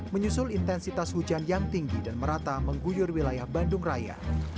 menyusul intensitas hujan yang tinggi dan merata mengguyur wilayah bandung raya